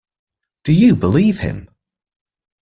Do you believe him?